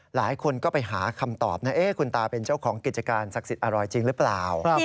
หลายคนก็ไปหาคำตอบนะ